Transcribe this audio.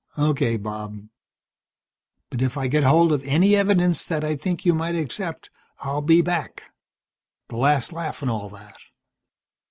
Okay, Bob. But if I get hold of any evidence that I think you might accept, I'll be back. The last laugh and all that.